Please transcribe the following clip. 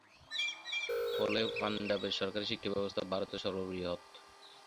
ফলে পাঞ্জাবের সরকারী শিক্ষাব্যবস্থা ভারতে সর্ববৃহৎ।